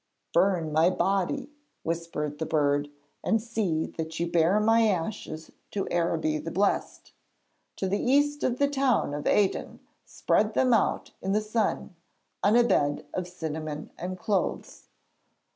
'Burn my body,' whispered the bird, 'and see that you bear my ashes to Araby the Blest. To the east of the town of Aden spread them out in the sun, on a bed of cinnamon and cloves.'